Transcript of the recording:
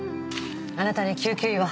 あなたに救急医は。